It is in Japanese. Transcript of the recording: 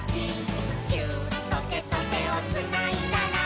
「ギューッとてとてをつないだら」